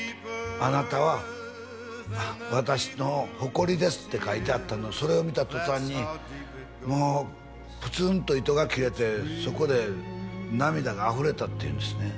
「あなたは私の誇りです」って書いてあったのをそれを見た途端にもうプツンと糸が切れてそこで涙があふれたっていうんですね